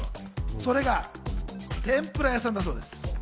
それが天ぷら屋さんだそうです。